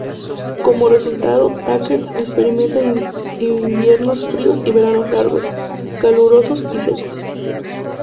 Como resultado, Taskent experimenta inviernos fríos y veranos largos, calurosos y secos.